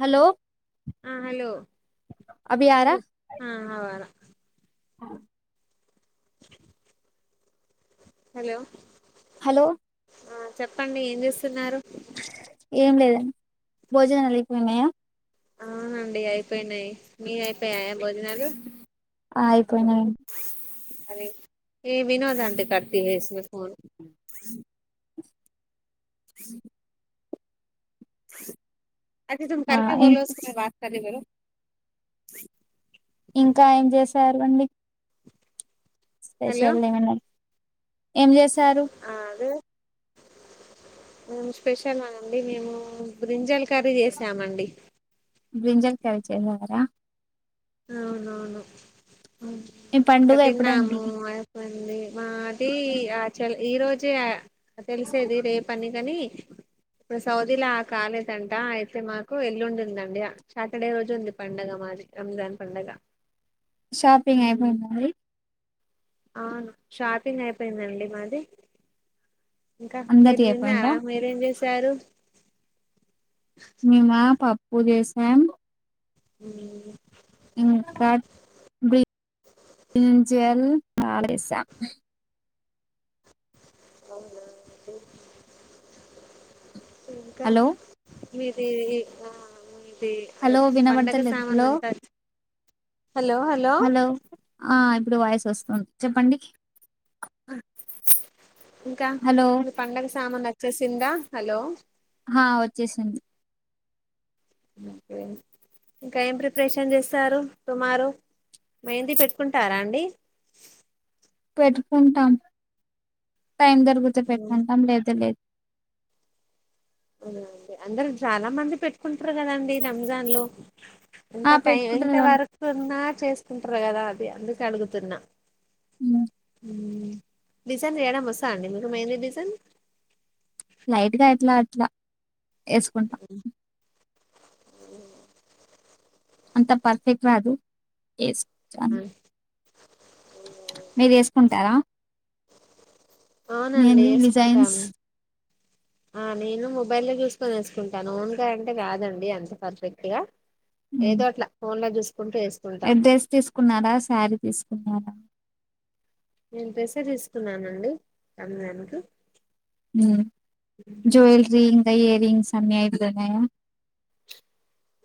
Hello ఆ hello అభియారా ఆ హవా రా ఆ హలో హలో ఆ చెప్పండి ఏం చస్తున్నారు ఏం లేదండి భోజనాలు అయిపోయినయా అవునండి అయిపోయినాయి మీ అయిపోయాయా భోజనాలు ఆయ్ అ ఏ వినోదంట కట్టు చేసి పోన్ అదే తుమ్ ఆ కర్క్ ఇం బోలో సే బాత్ కరే బోలో ఇంకా ఏం చేసారు అండి. హలో స్పెషల్ ఏమనా ఏం చేసారు ఆ అదే మేము స్పెషలా అండి మేము బ్రింజల్ కర్రీ చేసామండి. బ్రింజాం కర్రీ చేసారా అవునవును మీ ఇంక పండుగ ఎప్పుడండి తిన్నాము అయిపోయింది. మా తీ ఆ చల్ ఈరోజే ఆ తెలిసేది రేపని కాని ఇప్పుడు సౌదీలా ఆ కాలేదంట అయితే మాకు ఎల్లుండందండి సాటర్డే రోజు ఉంది పండగ మాది రంజాన్ పండగ షాపింగ్ అయిపోయింద మరి అవును షాపింగ్ అయిపోయిందండి మాది ఇంకా అందరిది అయిపోయిందా మీరుతిన్నారా మీరేం చేస్ రు మీమా పప్ పూజేసాం ఉహ్ ఇంకా బ్రింజల్ ఆ చేశాం అవునా అండి ఇంకా హలో మీది ఈ ఆ హలో పండగ వినబడతలేదు సామాన్ హలో అంత వచ్ హలో హలో ఆ ఇప్పుడు వాయసు వస్తుంది చెప్పండి. ఇంకా హలో మీ పండగ సామాన్ వచ్చేసిందా హలో ఆ వచ్చేసింది ఓకే ఇంకా ఏం ప్రిపరేషన్ చేస్తారు. టుమారో మెహందీ పెట్టుకుంటారా అండి. పెట్టుకుంటాం. టైం దొరిగితే పెట్టుకుంటాం లేప్త లేదు అండి అందరు చాలా మంది పెట్టుకుంటారు కదాండి రంజాన్ లో ఆ ఎంత టైం పెట్టుకుంటారు ఎంత వాళ్ళు వరకు ఉన్నార్ చేసుకుంటారు కదా అది అందుకు అడుగుతున్నా ఉహ్మ్ డిజైన్ చేయ్యడం వస్ అండి మీకు మెహందీ డిజైన్ లైట్ గా అట్లా అట్లా వేసుకుంటా. అంత పర్ఫెక్ట్ రాదు ఎస్ అ ఆ, మీరు చేసుకుంటారా అవునండి ఏసుకుంటాం ఆ నేను మొబైల్లో చూసుకొని వేసుకుంటాను ఓన్గా అంటే కాదండి అంత పర్ఫెక్ట్ గా ఏదో అట్లా ఫోన్ లో చూస్ ఎడ్రెస్ తీస్కున్నారా శారీ తీస్కున్నారా నేన్ డ్రెస్ ఏ తీస్కున్నానండి అన్నానికి మ్ జ్వేల్లెరి ఇయర్రింగ్స్ అన్నీ అయిపోన్నాయా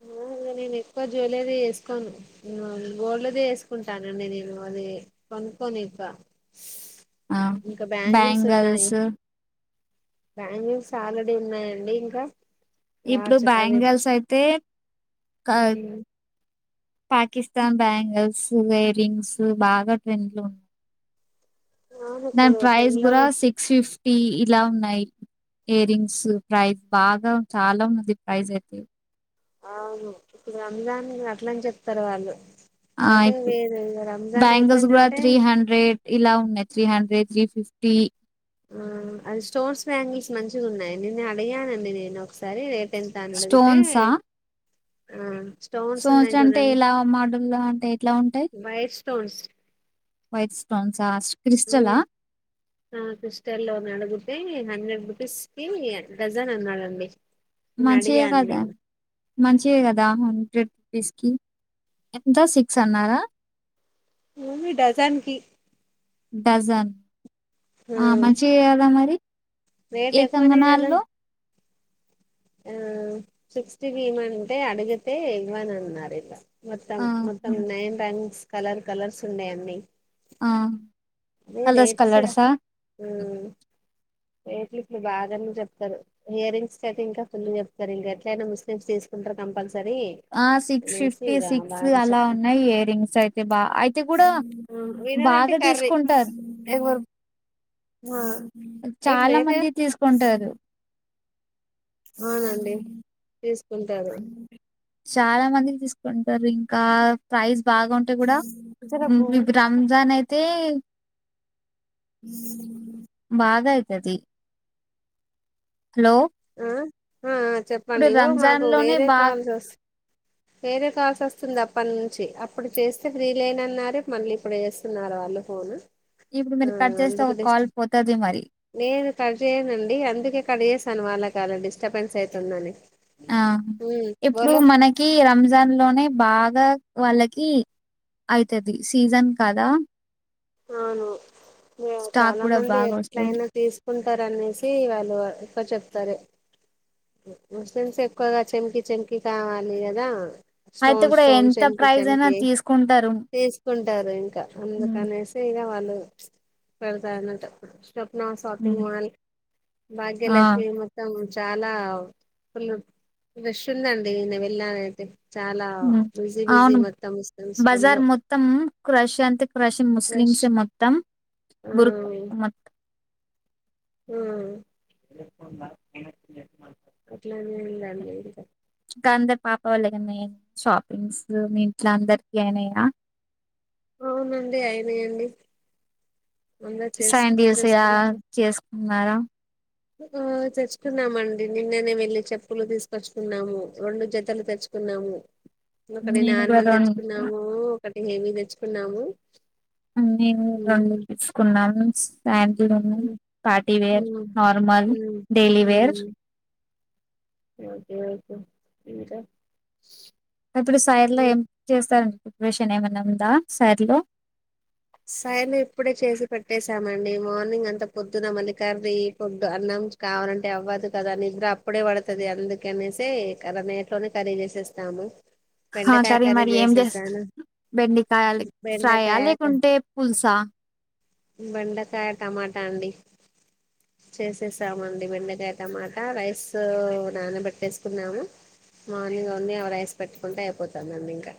అ నేనెక్కువ జ్యులరీ ఏస్కోను గోల్డ్ దే ఏస్కుంటానండి నేను అదీ కొనుక్కొని ఎక్క ఆ బ్యాంగల్సు బ్యాంగల్స్ ఆల్రడీ ఉన్నాయండి ఇంకా ఇప్పుడు బ్యాంగల్స్ అయితే క మ్ పాకిస్తాన్ బ్యాంగిల్స్ ఇయర్ రింగ్స్ బాగా ట్రెండ్ లో ఉన్ అవును నేన్ ఇప్పుడు ప్రైజ్ పెన్లో కూడా సిక్స్ ఫిఫ్ టీ ఇలా ఉన్నాయి ఇయర్ రింగ్స్ ప్రైస్ బాగా చాలా ఉన్నది ప్రైజ్ అయితే. అవును ఇప్పుడు రంజాన్ ఇంగ అట్ల అని చెప్తారు వాళ్ళు. ఆ అదే ఇప్పు వేరు రంజాన్ బ్యాంగిల్స్ కూడా అయిపోయిందంటే త్రీ హండ్రెడ్ ఇలా ఉన్నాయ్ త్రీ హండ్రెడ్, త్రీ ఫిఫ్టీ ఆ అది స్టోన్స్ బ్యాంగిల్స్ మంచిగున్నాయ్ నిన్న అడిగానండి నేను ఒకసారి టెంతానడుగుతే ఆ స్టోన్స్ సోట్న్స్ ఉన్నాయి అంటే చూడండి ఎలా మడుల్లా అంటే ఎట్లా ఉంటాయ్ వైట్ స్టోన్స్ వైట్ స్టోన్ కాష్ ఆహ్ క్రిస్టల్ లో అడిగితే హండ్రెడ్ రూపీస్ కి డజన్ అన్నాడండి నేను మంచియే అడిగాను కదా నేను మంచివే కదా హండ్రెడ్ రూపీస్ కి ఎంత సిక్స్ అన్నారా మమి డజన్కి డజన్ ఆ మంచిగే కదా మరి రేట్ ఏ కంగనాల్ లో ఆహ్ సిక్టీకి గీమంటే అడిగితే ఇవ్వన్ అన్నారు ఇలా మొత్తం ఆ మొత్తం నైన్ [unintelligible] కలర్ కలర్స్ ఉన్నాయిన్నీ ఆహ్ అదే రేట్స్ ఆహ్ రేట్లు ఇప్పుడు బాగానే చెప్తారు హియరింగ్స్ ఇంకా ఫుల్ చెప్తారు ఇంకా ఎట్లయినా ముస్లిమ్స్ తీసుకుంటారు కంపల్సరీ ఆ సిక్స్ అనేసి ఫిఫ్టీ ఇక సిక్స్ బాగా అలా చెప్తారు ఉన్నాయి ఇయర్ రింగ్స్ అయితే బా అయితే కూడా బాగా తీసకొంటారు ఆ చాలా మంది తీసుకొంటారు అవునండి తీసుకుంటారు చాలా మంది తీ కొంటారు ఇంకా ప్రైస్ బాగాంటే కూడ రంజాన్ అయితే [unintelligible] బాగా అయితది హలో ఆ ఆ ఆ చెప్పండి ఇప్పుడు ఇగో మాకు రంజాన్‌లోనే వేరే బా కాల్స్ వస్ వేరే కాల్స్ వస్తుంది అప్పటి నుంచి అప్పుడు చేస్తే ఫ్రీ లేనన్నారు మళ్ళీ ఇప్పుడు చేస్తున్నారు వాళ్ళు ఫోను ఇప్పుడు ఆ మీరు కట్ చేస్తే అందుకు ఒక డిస్ కాల్ పోతది మరి. నేను కడ్ చేయనండి అందుకే కడ్ చేస్ ను వాళ్ళ అలా డిస్టర్బెన్స్ అయితుందని ఆ ఉమ్ ఇప్పుడు బోలో మనకి రంజాన్ లోనే బాగా వాళ్ళకి అయితది సీజన్ కదా అవును స్టాక్ చాలా గూడా మంది బాగా వస్తాయి. ఎట్లయినా తీసుకుంటారు అనేసి వాళ్ళు ఎక్కువ చెప్తారు ముస్లిమ్స్ ఎక్కువగా చెంకి చెంకి కావాలి కదా అయితే స్టోన్ గూడా స్టోన్ ఎంత చెంకి ప్రైస్ అయినా చెంకి తీసుకుంటారు. తీసుకుంటారు ఇంకా హ్మ్. అందుకనేసి ఇగ వాళ్ళు [unintelligible] అన్నట స్వప్న షాపింగ్ హ్మ్. [unintelligible] ఆ! భాగ్యలక్ష్మి మొత్తం చాలా రష్ందండి నేను [unintelligible] బిజీ బిజీ అవును మొత్తం స్కూల్లో బజార్ మొత్తం క్రష్ అంతే క్రష్ రష్ ముస్లిమ్స్ మొత్తం ఆ గురు మ ఆ [inaudible] [inaudible] గట్లనే అయిందండి ఇగా ఇంకా అందరు పాప వాళ్ళ కనీ షాపింగ్స్ మీ ఇంట్ల అందరికి అయినయా అవునండి అయినయండి. శ్యాండిల్స్ [inaudible] చేసుకున్నారా. ఆ తెచ్చుకున్నామండి నిన్ననే వెళ్ళి చెప్పులు తీసుకొచ్చుకున్నాము రెండు జతలు తెచ్చుకున్నాము. ఒకటి నేను కూడా నార్మల్ రెండు తెచ్చుకున్నాము, ఒకటి హెవీ తెచ్చుకున్నాము. అ నేను రొండు ఉమ్ తీసుకున్నాను. Pantaloon, um party wear, um normal, um daily wears um. Okay okay ఇంకా ఇప్పుడు సైడ్ లో ఉమ్. ఏం చేస్తా ప్రిపరేషన్ ఏమన్నా ఉందా సైడ్లో సైడ్ల ఇప్పుడే చేసి పెట్టేసామండి. మార్నింగ్ అంత పొద్దున మల్లీ కర్రీ పొద్దు అన్నం కావాలంటే అవ్వదు కదా నిద్ర అప్పుడే పడుతది అందుక అనేసి నైట్లోనే కర్రీ చేసేస్తాము. ఆ బెండకాయ కర్రి కర్రీ మరి ఏం చేస్త చేసేసాను బెండి కాయాలి ఫ్రై ఆ బెండకాయ లేకుంటే పుల్సా. బెండకాయ టమాటా అండి చేసేసామండి. బెండకాయ టమాటా రైస్ నానబెట్టేసుకున్నాము మార్నింగ్ వోన్లీ అవి రైస్ పెట్టుకుంటే అయిపోతుందండి ఇంకా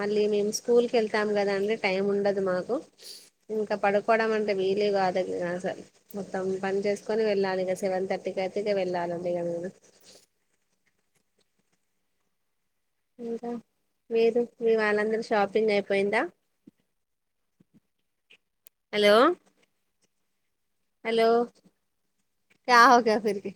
మళ్ళీ మేము స్కూల్కి వెళ్తాము కదా అండి. టైం ఉండదు మాకు ఇంకా పడుకోవడం అంటే వీలు కాదు అసలు. మొత్తం పని చేసుకొని వెళ్ళాలి ఇగ సెవెన్ థర్టీకి అయితే ఇగ వెళ్ళాలండి ఇగ మేము. ఇంకా మీరు మీ వాళ్ళందరూ షాపింగ్ అయిపోయిందా హలో హలో క్యా హోగ ఫిరికే